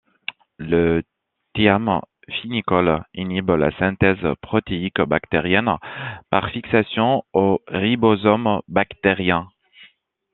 Le thiamphénicol inhibe la synthèse protéique bactérienne par fixation au ribosome bactérien.